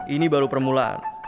ini baru permulaan